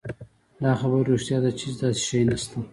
دا خبره رښتيا ده چې هېڅ داسې شی نشته